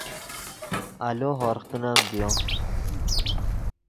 آلو ہورغ کینیم ڤیو